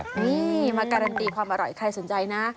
นี่มาการันตีความอร่อยใครสนใจนะ